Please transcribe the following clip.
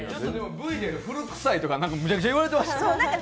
Ｖで古くさいとか、めちゃめちゃ言われてましたね。